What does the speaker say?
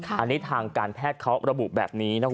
อันนี้ทางการแพทย์เขาระบุแบบนี้นะคุณ